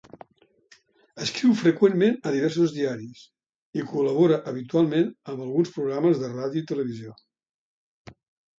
Escriu freqüentment a diversos diaris, i col·labora habitualment amb alguns programes de ràdio i televisió.